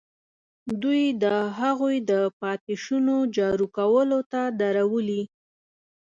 دوی د هغوی د پاتې شونو جارو کولو ته درولي.